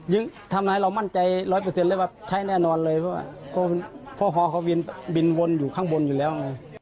ยึดิทำให้เรามั่นใจ๑๐๐ใช้แน่นอนเลยเพราะว่าฮอเขาบินบนอยู่ข้างบนอยู่แล้ว